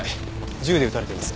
銃で撃たれています。